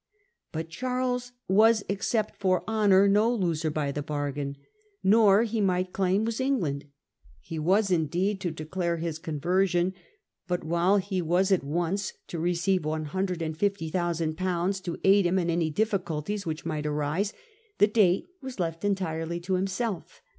But Charles was, ex cept for honour, no loser by the bargain, nor, he might claim, was England. He was indeed to declare his con version ; but. while he was at once to receive 150,000/. to aid him in any difficulties which might arise, the date was left entirely to himself.